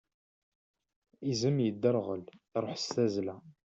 Izem yedderɣel, iṛuḥ s tazla.